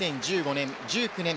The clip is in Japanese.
２０１５年・２０１９年